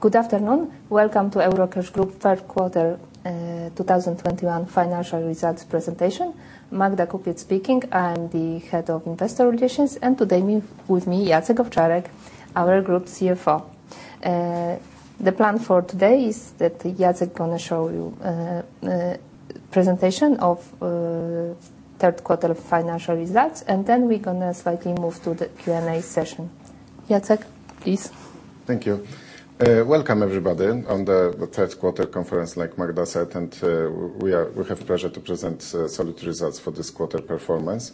Good afternoon. Welcome to Eurocash Group third quarter 2021 financial results presentation. Magdalena Kupiec speaking. I'm the head of investor relations, and today with me, Jacek Owczarek, our Group CFO. The plan for today is that Jacek gonna show you presentation of third quarter financial results, and then we're gonna slightly move to the Q&A session. Jacek, please. Thank you. Welcome, everybody to the third quarter conference, like Magda said, and we have pleasure to present solid results for this quarter performance.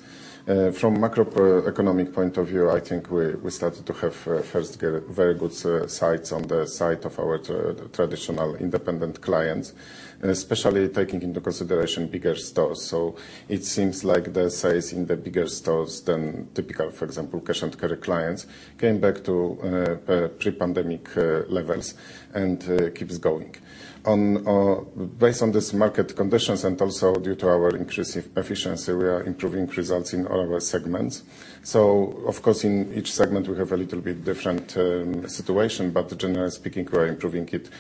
From macroeconomic point of view, I think we started to have first very good signs on the side of our traditional independent clients, especially taking into consideration bigger stores. It seems like the sales in the bigger stores than typical, for example, Cash & Carry clients, came back to pre-pandemic levels and keeps going. Based on this market conditions and also due to our increase in efficiency, we are improving results in all of our segments. Of course, in each segment we have a little bit different situation, but generally speaking, we are improving it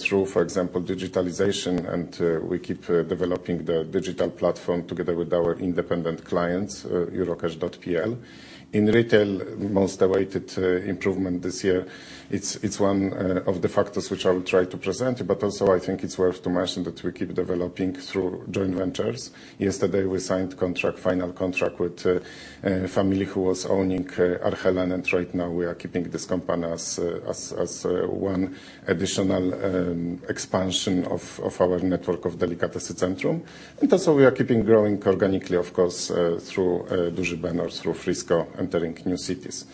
through, for example, digitalization and we keep developing the digital platform together with our independent clients, eurocash.pl. In retail, most awaited improvement this year, it's one of the factors which I will try to present, but also I think it's worth to mention that we keep developing through joint ventures. Yesterday, we signed contract, final contract with a family who was owning Arhelan, and right now we are keeping this company as one additional expansion of our network of Delikatesy Centrum. We are keeping growing organically, of course, through Duży Ben, through Frisco entering new cities.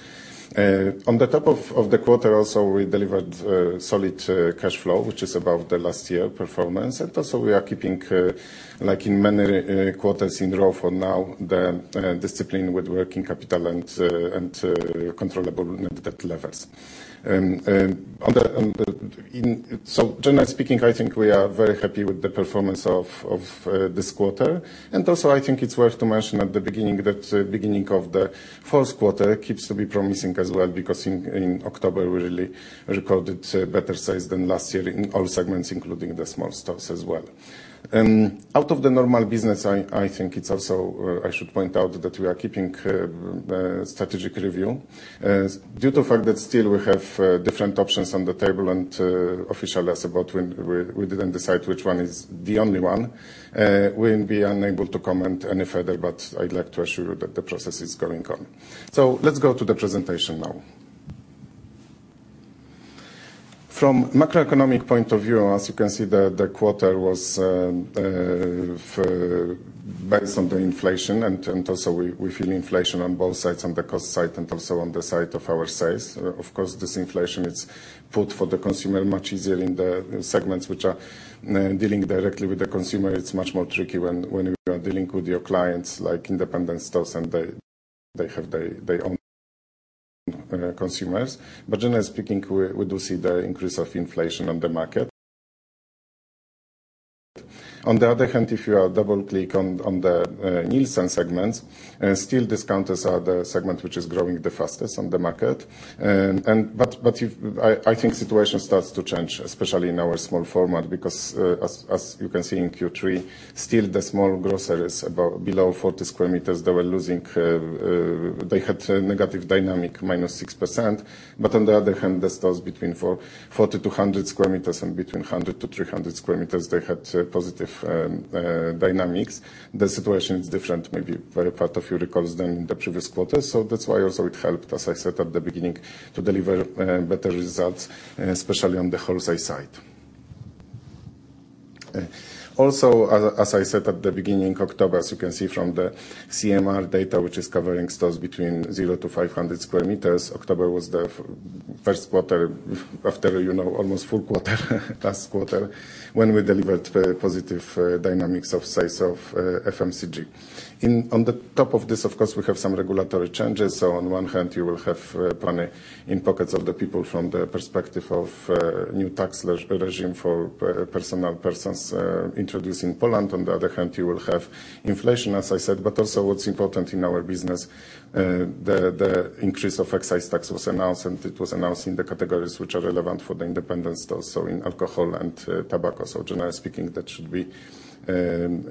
On top of the quarter also, we delivered solid cash flow, which is above the last year's performance. Also we are keeping, like in many quarters in a row for now, the discipline with working capital and controllable net debt levels. Generally speaking, I think we are very happy with the performance of this quarter. Also I think it's worth to mention at the beginning that beginning of the fourth quarter continues to be promising as well because in October we really recorded better sales than last year in all segments, including the small stores as well. Outside of the normal business, I think it's also I should point out that we are keeping strategic review. Due to the fact that we still have different options on the table and if asked about when we decide which one is the only one, we'll be unable to comment any further. I'd like to assure you that the process is going on. Let's go to the presentation now. From a macroeconomic point of view, as you can see, the quarter was based on the inflation and also we feel inflation on both sides, on the cost side and also on the side of our sales. Of course, this inflation is much easier for the consumer in the segments which are dealing directly with the consumer. It's much more tricky when you are dealing with your clients like independent stores and they have their own consumers. Generally speaking, we do see the increase of inflation on the market. On the other hand, if you are double-click on the Nielsen segments, still discounters are the segment which is growing the fastest on the market. But if I think situation starts to change, especially in our small format, because as you can see in Q3, still the small grocers about below 40 sq m, they were losing. They had negative dynamic, -6%, but on the other hand, the stores between 40 sq m-100 sq m and between 100 sq m-300 sq m, they had positive dynamics. The situation is different, maybe for a part of Eurocash than the previous quarter. That's why also it helped, as I said at the beginning, to deliver better results, especially on the wholesale side. Also, as I said at the beginning, October, as you can see from the CMR data, which is covering stores between 0 sq m-500 sq m, October was the first quarter after, you know, almost full quarter last quarter, when we delivered positive dynamics of sales of FMCG. On top of this, of course, we have some regulatory changes. On one hand, you will have money in pockets of the people from the perspective of new tax regime for personal persons introduced in Poland. On the other hand, you will have inflation, as I said. Also what's important in our business, the increase of excise tax was announced, and it was announced in the categories which are relevant for the independent stores, so in alcohol and tobacco. Generally speaking, that should be some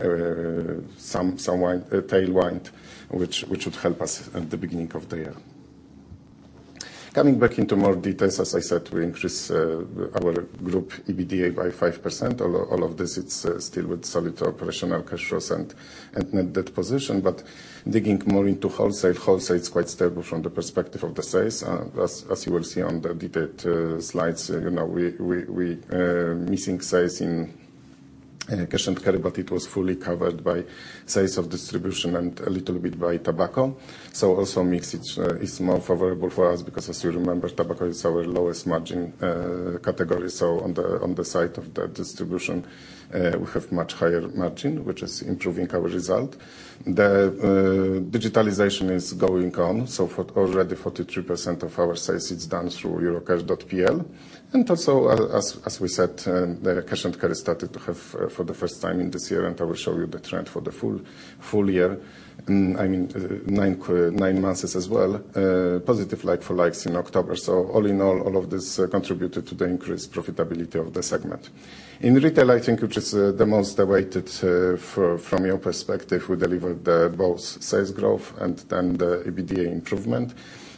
tailwind which would help us at the beginning of the year. Coming back into more details, as I said, we increased our group EBITDA by 5%. All of this, it's still with solid operational cash flows and net debt position. Digging more into wholesale is quite stable from the perspective of the sales. As you will see on the detailed slides, you know, we missing sales in Cash & Carry, but it was fully covered by sales of distribution and a little bit by tobacco. The mix also is more favorable for us because as you remember, tobacco is our lowest margin category. On the side of the distribution, we have much higher margin, which is improving our result. Digitalization is going on, so already 43% of our sales is done through eurocash.pl. Also as we said, the Cash & Carry started to have for the first time in this year, and I will show you the trend for the full year. I mean, nine months as well, positive like-for-likes in October. All in all of this contributed to the increased profitability of the segment. In retail, I think, which is the most awaited for from your perspective, we delivered both sales growth and then the EBITDA improvement.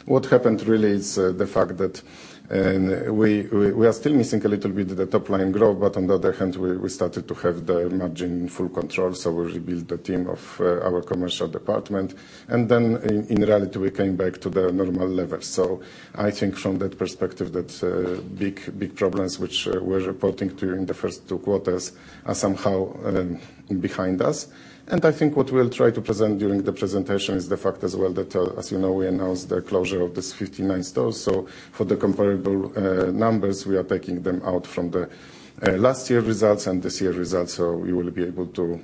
What happened really is the fact that we are still missing a little bit the top-line growth, but on the other hand, we started to have the margin full control, so we rebuilt the team of our commercial department. Then in reality, we came back to the normal levels. I think from that perspective, that big problems which we're reporting to you in the first two quarters are somehow behind us. I think what we'll try to present during the presentation is the fact as well that, as you know, we announced the closure of this 59 stores. For the comparable numbers, we are taking them out from the last year results and this year results, so we will be able to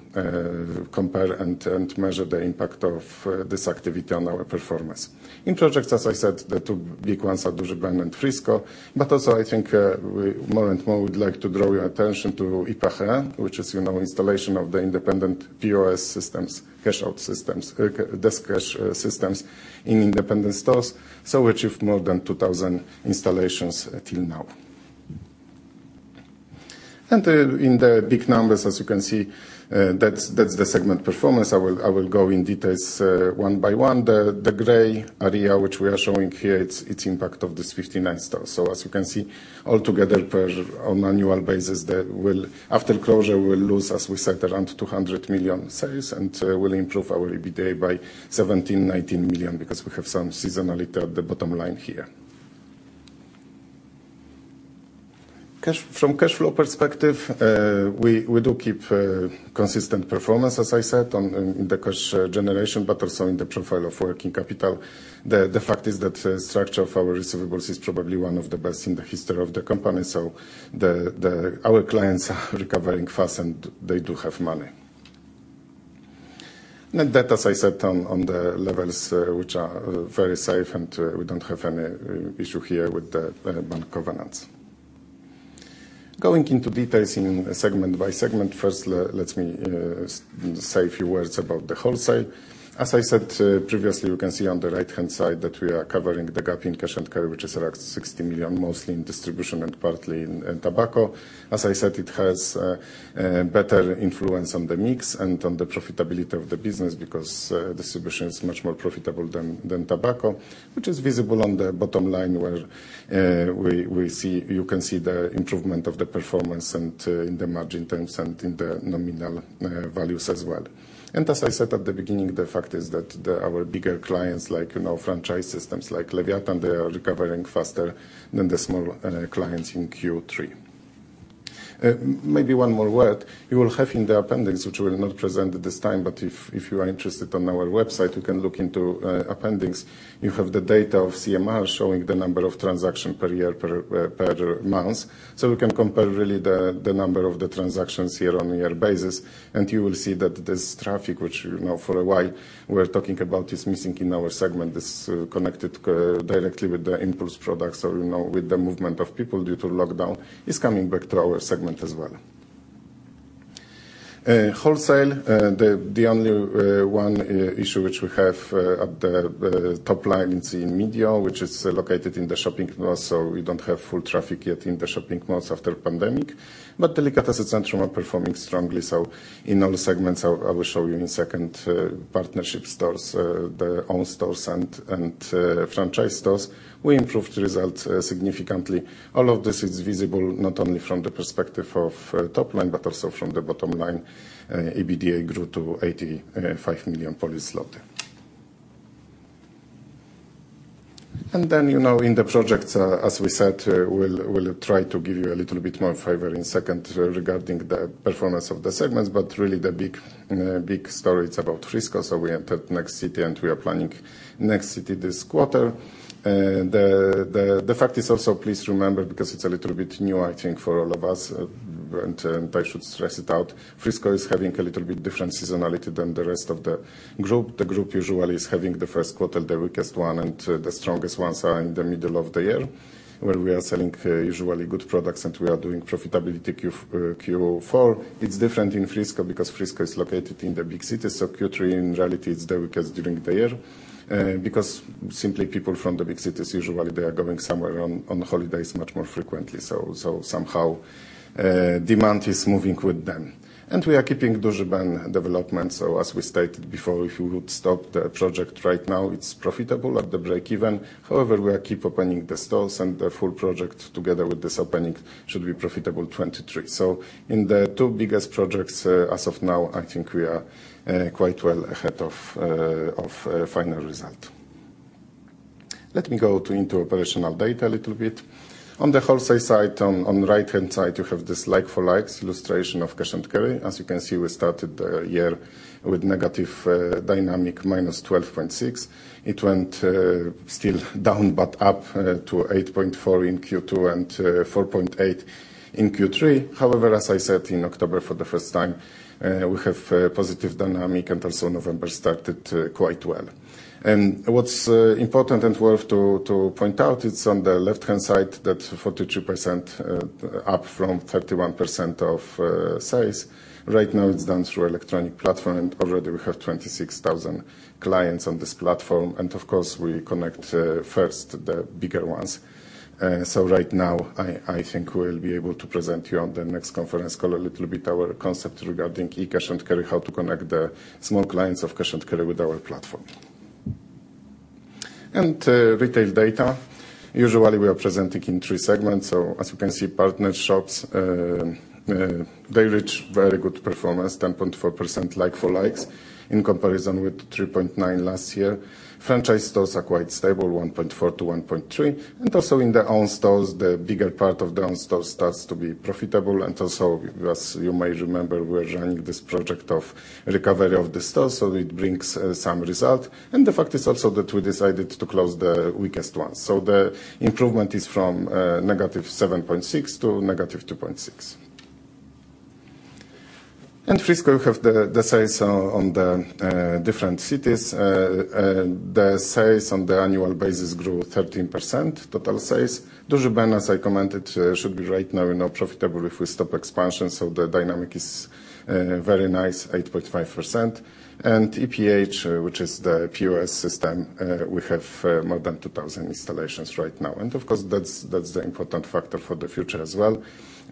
compare and measure the impact of this activity on our performance. In projects, as I said, the two big ones are Duży Ben and Frisco. Also I think, we more and more would like to draw your attention to IPH, which is, you know, installation of the independent POS systems, cash-out systems, desk cash systems in independent stores. We achieved more than 2,000 installations until now. In the big numbers, as you can see, that's the segment performance. I will go in details one by one. The gray area which we are showing here, it's impact of this 59 stores. As you can see, altogether on annual basis, after closure, we will lose, as we said, around 200 million sales and will improve our EBITDA by 17 million-19 million because we have some seasonality at the bottom line here. From cash flow perspective, we do keep consistent performance, as I said, on the cash generation, but also in the profile of working capital. The fact is that structure of our receivables is probably one of the best in the history of the company, so our clients are recovering fast, and they do have money. Net debt, as I said, on the levels which are very safe, and we don't have any issue here with the bank covenants. Going into details segment by segment, first, let me say a few words about the wholesale. As I said previously, you can see on the right-hand side that we are covering the gap in Cash & Carry, which is around 60 million, mostly in distribution and partly in tobacco. As I said, it has better influence on the mix and on the profitability of the business because distribution is much more profitable than tobacco, which is visible on the bottom line, where you can see the improvement of the performance in the margin terms and in the nominal values as well. As I said at the beginning, the fact is that our bigger clients, like you know, franchise systems like Lewiatan, they are recovering faster than the small clients in Q3. Maybe one more word. You will have in the appendix, which we will not present at this time, but if you are interested on our website, you can look into appendix. You have the data of CMR showing the number of transaction per year, per month. We can compare really the number of the transactions year-on-year basis, and you will see that this traffic, which, you know, for a while we're talking about is missing in our segment, is connected directly with the impulse products or, you know, with the movement of people due to lockdown, is coming back to our segment as well. Wholesale, the only one issue which we have at the top line is Inmedio, which is located in the shopping malls, so we don't have full traffic yet in the shopping malls after pandemic. Delikatesy Centrum are performing strongly, so in all segments, I will show you in a second, partnership stores, the own stores and franchise stores, we improved results significantly. All of this is visible not only from the perspective of top line, but also from the bottom line. EBITDA grew to 85 million. You know, in the projections, as we said, we'll try to give you a little bit more flavor in a second, regarding the performance of the segments, but really the big story, it's about Frisco. We entered next city, and we are planning next city this quarter. The fact is also, please remember, because it's a little bit new, I think, for all of us, and I should stress it out, Frisco is having a little bit different seasonality than the rest of the group. The group usually is having the first quarter, the weakest one, and the strongest ones are in the middle of the year, where we are selling usually good products and we are doing profitability Q4. It's different in Frisco because Frisco is located in the big cities, so Q3 in reality is the weakest during the year, because simply people from the big cities usually they are going somewhere on holidays much more frequently. So somehow demand is moving with them. We are keeping Duży Ben development, so as we stated before, if you would stop the project right now, it's profitable at the breakeven. However, we are keep opening the stores and the full project together with this opening should be profitable 2023. In the two biggest projects, as of now, I think we are quite well ahead of final result. Let me go into operational data a little bit. On the wholesale side, on the right-hand side, you have this like-for-likes illustration of Cash & Carry. As you can see, we started the year with negative dynamic of -12.6%. It went still down but up to 8.4% in Q2 and 4.8% in Q3. However, as I said, in October for the first time we have positive dynamic and also November started quite well. What's important and worth to point out, it's on the left-hand side, that 42% up from 31% of sales. Right now it's done through electronic platform, and already we have 26,000 clients on this platform. Of course, we connect first the bigger ones. Right now, I think we'll be able to present you on the next conference call a little bit our concept regarding e-Cash & Carry, how to connect the small clients of Cash & Carry with our platform. Retail data. Usually we are presenting in three segments. As you can see, partner shops, they reach very good performance, 10.4% like-for-likes in comparison with 3.9% last year. Franchise stores are quite stable, 1.4%-1.3%. In the own stores, the bigger part of the own stores starts to be profitable. As you may remember, we're running this project of recovery of the stores, so it brings some result. The fact is also that we decided to close the weakest ones. The improvement is from -7.6% to -2.6%. Frisco, we have the sales in different cities. The sales on the annual basis grew 13%, total sales. Duży Ben, as I commented, should be right now, you know, profitable if we stop expansion, so the dynamic is very nice, 8.5%. IPH, which is the POS system, we have more than 2,000 installations right now. Of course, that's the important factor for the future as well.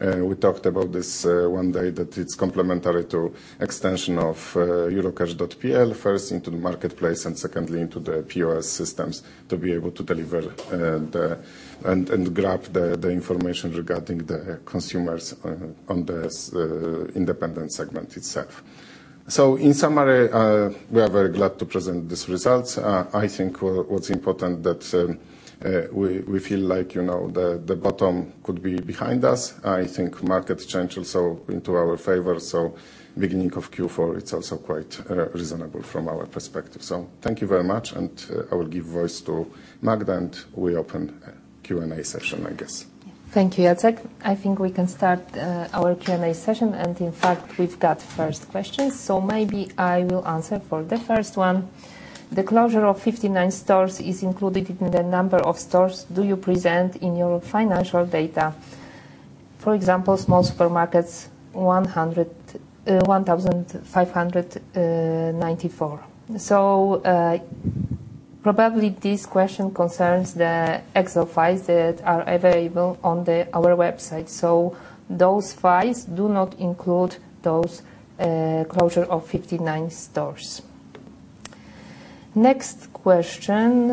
We talked about this one day, that it's complementary to extension of eurocash.pl, first into the marketplace and secondly into the POS systems to be able to deliver and grab the information regarding the consumers on the independent segment itself. In summary, we are very glad to present these results. I think what's important is that we feel like, you know, the bottom could be behind us. I think market change also into our favor, beginning of Q4, it's also quite reasonable from our perspective. Thank you very much and I will give voice to Magda, and we open Q&A session, I guess. Thank you, Jacek. I think we can start our Q&A session. In fact, we've got first question, so maybe I will answer for the first one. The closure of 59 stores is included in the number of stores that you present in your financial data. For example, small supermarkets, 1,594. Probably this question concerns the Excel files that are available on our website. Those files do not include the closure of 59 stores. Next question,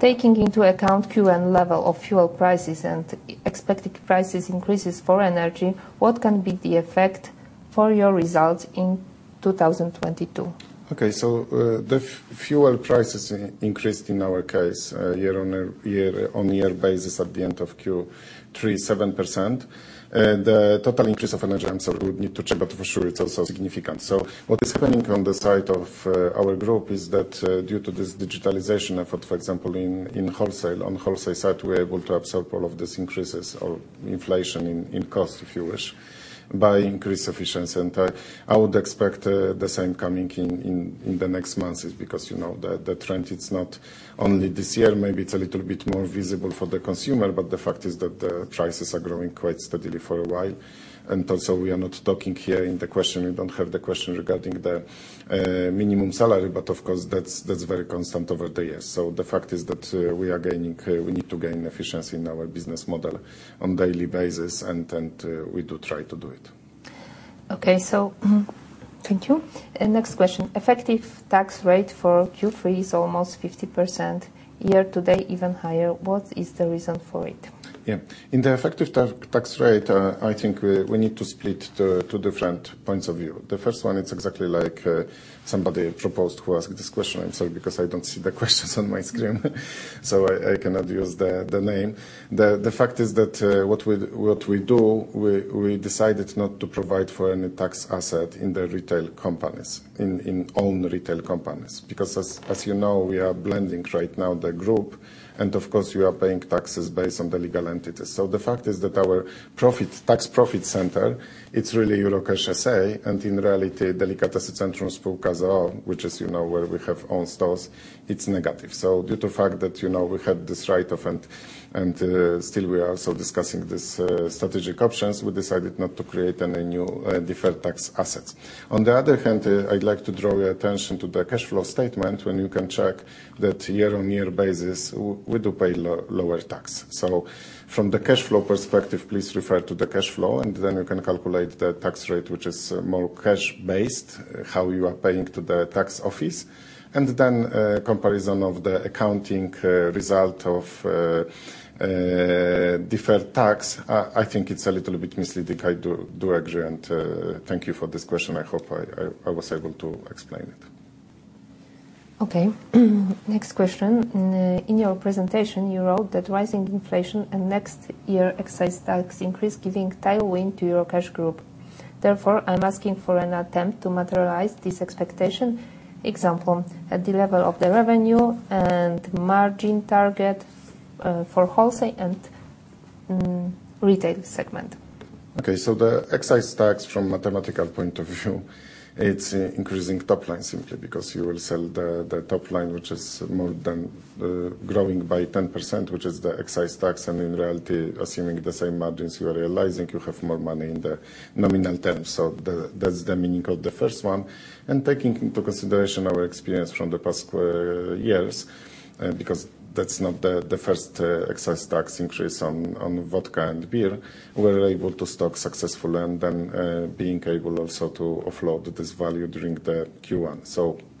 taking into account current level of fuel prices and expected price increases for energy, what can be the effect for your results in 2022? Okay. The fuel prices increased in our case year-on-year basis at the end of Q3 7%. The total increase of energy, I'm sorry, we'd need to check, but for sure it's also significant. What is happening on the side of our group is that due to this digitalization effort, for example, in wholesale, on the wholesale side, we're able to absorb all of these increases of inflation in cost, if you wish, by increased efficiency. I would expect the same coming in the next months because, you know, the trend, it's not only this year, maybe it's a little bit more visible for the consumer, but the fact is that the prices are growing quite steadily for a while. Also we are not talking here in the question. We don't have the question regarding the minimum salary, but of course that's very constant over the years. The fact is that we are gaining, we need to gain efficiency in our business model on daily basis, and we do try to do it. Okay. Thank you. Next question. Effective tax rate for Q3 is almost 50%, year to date even higher. What is the reason for it? Yeah. In the effective tax rate, I think we need to split two different points of view. The first one, it's exactly like somebody proposed who asked this question. I'm sorry because I don't see the questions on my screen, so I cannot use the name. The fact is that what we do, we decided not to provide for any tax asset in the retail companies, in own retail companies. Because as you know, we are blending right now the group, and of course we are paying taxes based on the legal entities. The fact is that our pre-tax profit center, it's really Eurocash S.A., and in reality, Delikatesy Centrum Sp. z o.o. which is, you know, where we have own stores, it's negative. Due to the fact that, you know, we had this write off and still we are also discussing this strategic options, we decided not to create any new deferred tax assets. On the other hand, I'd like to draw your attention to the cash flow statement, when you can check that year-on-year basis, we do pay lower tax. From the cash flow perspective, please refer to the cash flow, and then you can calculate the tax rate, which is more cash-based, how you are paying to the tax office. Then comparison of the accounting result of deferred tax, I think it's a little bit misleading. I do agree, thank you for this question. I hope I was able to explain it. Okay. Next question. In your presentation, you wrote that rising inflation and next year excise tax increase giving tailwind to your Eurocash Group. Therefore, I'm asking for an attempt to materialize this expectation, example, at the level of the revenue and margin target for wholesale and retail segment. Okay. The excise tax from mathematical point of view, it's increasing top line simply because you will sell the top line, which is more than growing by 10%, which is the excise tax. In reality, assuming the same margins you are realizing, you have more money in the nominal terms. That's the meaning of the first one. Taking into consideration our experience from the past years, because that's not the first excise tax increase on vodka and beer. We're able to stock successfully and then being able also to offload this value during the Q1.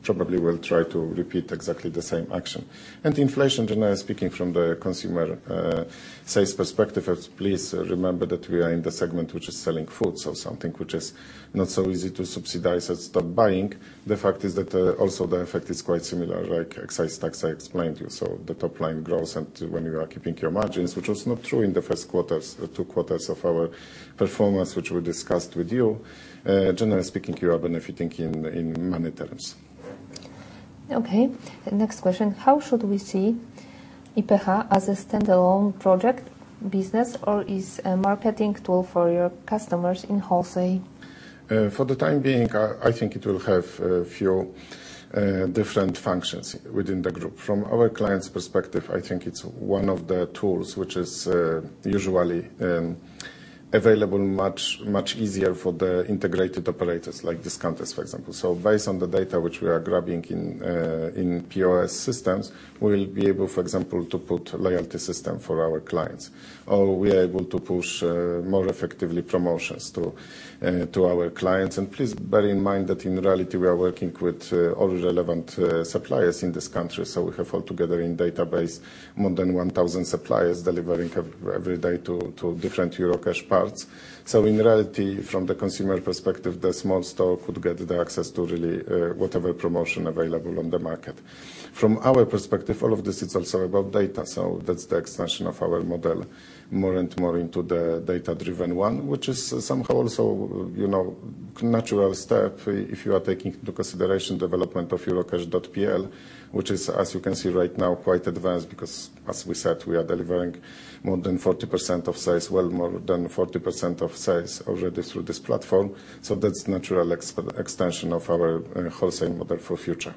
Probably we'll try to repeat exactly the same action. Inflation, you know, speaking from the consumer sales perspective, and please remember that we are in the segment which is selling food. Something which is not so easy to substitute and stop buying. The fact is that, also the effect is quite similar like excise tax I explained to you. The top line grows and when you are keeping your margins, which was not true in the first two quarters of our performance, which we discussed with you. Generally speaking, you are benefiting in money terms. Okay. Next question. How should we see IPH as a standalone project business or is a marketing tool for your customers in wholesale? For the time being, I think it will have a few different functions within the group. From our clients' perspective, I think it's one of the tools which is usually available much easier for the integrated operators like discounters, for example. Based on the data which we are grabbing in POS systems, we'll be able, for example, to put loyalty system for our clients, or we are able to push more effectively promotions to our clients. Please bear in mind that in reality we are working with all relevant suppliers in this country. We have all together in database more than 1,000 suppliers delivering every day to different Eurocash parts. In reality, from the consumer perspective, the small store could get the access to really whatever promotion available on the market. From our perspective, all of this is also about data. That's the extension of our model more and more into the data-driven one, which is somehow also, you know, natural step if you are taking into consideration development of eurocash.pl, which is, as you can see right now, quite advanced because as we said, we are delivering more than 40% of sales already through this platform. That's natural extension of our wholesale model for future.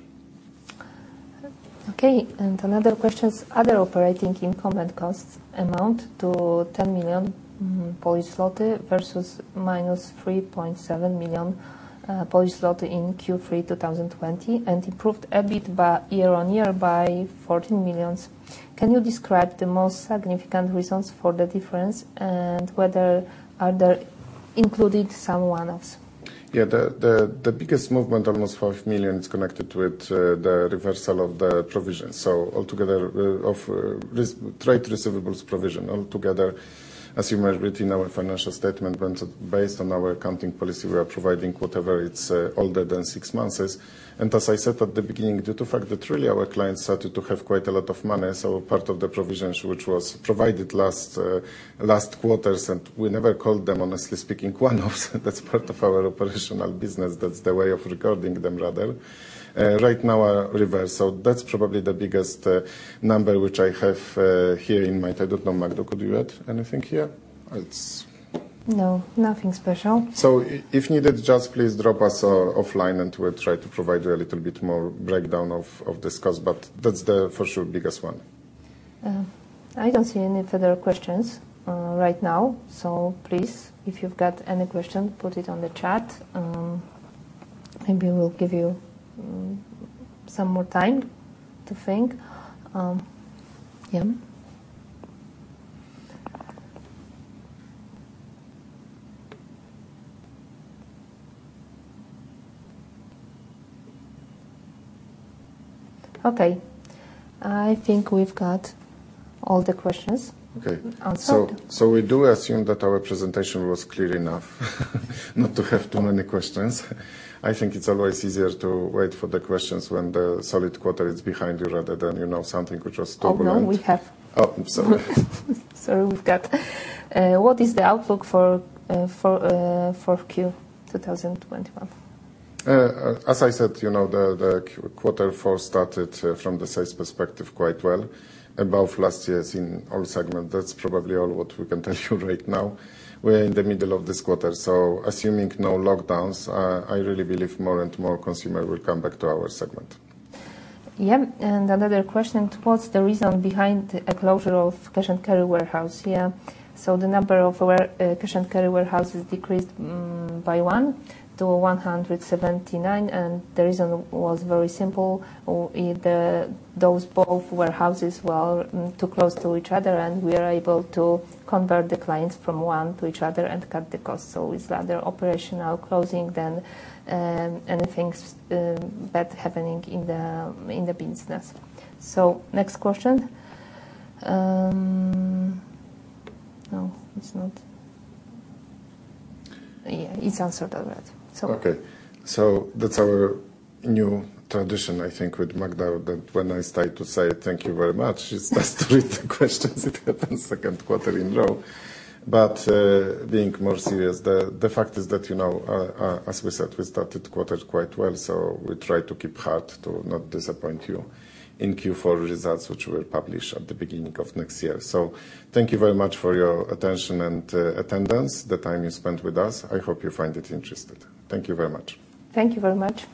Okay. Another question. Other operating income and costs amount to 10 million versus -3.7 million in Q3 2020 and improved EBIT by year-on-year by 14 million. Can you describe the most significant reasons for the difference and whether are there included some one-offs? Yeah. The biggest movement, almost 5 million, is connected with the reversal of the provision. Altogether of rest of trade receivables provision. Altogether, as you read in our financial statement, when based on our accounting policy, we are providing whatever it's older than six months is. As I said at the beginning, due to fact that really our clients started to have quite a lot of money. Part of the provisions which was provided last quarters, and we never called them, honestly speaking, one-offs. That's part of our operational business. That's the way of recording them rather. Right now are reversed. That's probably the biggest number which I have here in my... I don't know, Magda, could you add anything here? It's... No, nothing special. If needed, just please drop us offline and we'll try to provide you a little bit more breakdown of the discussion. But that's, for sure, the biggest one. I don't see any further questions right now. Please, if you've got any question, put it on the chat. Maybe we'll give you some more time to think. Okay. I think we've got all the questions. Okay. Answered. We do assume that our presentation was clear enough, not to have too many questions. I think it's always easier to wait for the questions when the solid quarter is behind you rather than, you know, something which was turbulent. Oh, no. We have. Oh, I'm sorry. What is the outlook for Q 2021? As I said, you know, the Q4 started from the sales perspective quite well, above last year's in all segments. That's probably all that we can tell you right now. We're in the middle of this quarter, so assuming no lockdowns, I really believe more and more consumers will come back to our segment. Another question, what's the reason behind a closure of Cash & Carry warehouse? The number of our Cash & Carry warehouses decreased by one to 179, and the reason was very simple. Those both warehouses were too close to each other and we are able to convert the clients from one to the other and cut the cost. It's rather operational closing than anything bad happening in the business. Next question. No, it's not. It's answered already. Okay. That's our new tradition, I think with Magda, that when I start to say thank you very much, she starts to read the questions. It happens second quarter in a row. But being more serious, the fact is that, you know, as we said, we started quarter quite well, so we try to keep heart to not disappoint you in Q4 results, which we'll publish at the beginning of next year. Thank you very much for your attention and attendance, the time you spent with us. I hope you find it interesting. Thank you very much. Thank you very much.